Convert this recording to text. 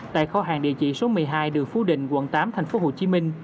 tại kho hàng địa chỉ số một mươi hai đường phú định quận tám tp hcm